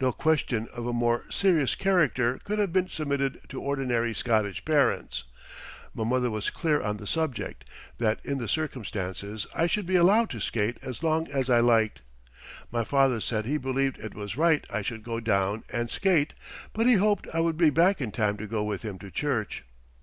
No question of a more serious character could have been submitted to ordinary Scottish parents. My mother was clear on the subject, that in the circumstances I should be allowed to skate as long as I liked. My father said he believed it was right I should go down and skate, but he hoped I would be back in time to go with him to church.